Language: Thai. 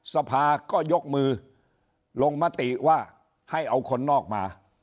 สภาก็ยกมือลงมติว่าให้เอาคนนอกมา